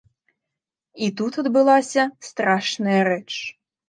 І тут адбылася страшная рэч.